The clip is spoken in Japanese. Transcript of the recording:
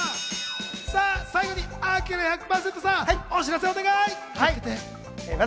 最後にアキラ１００％さん、お知らせお願いします。